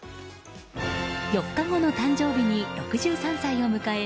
４日後の誕生日に６３歳を迎え